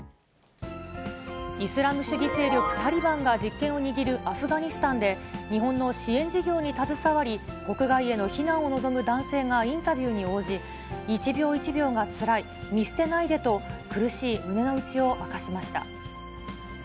イスラム主義勢力タリバンが実権を握るアフガニスタンで、日本の支援事業に携わり、国外への避難を望む男性がインタビューに応じ、一秒一秒がつらい、見捨てないでと、苦しい胸の内を明かしました。